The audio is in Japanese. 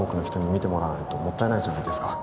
見てもらわないともったいないじゃないですか